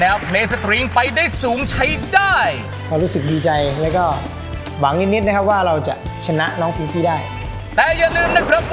รวมทั้งหมดบวกคะแนนพิเศษและเป็น๑๐๑คะแนนครับ